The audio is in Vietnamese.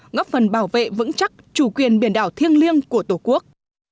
ngấp phần bảo vệ vững chắc chủ quyền biển đảo thiêng liêng của tổ quốc